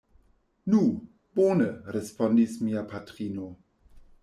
Nu, bone, respondis mia patrino.